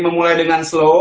memulai dengan slow